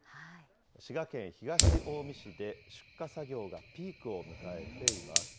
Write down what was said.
滋賀県東近江市で出荷作業がピークを迎えています。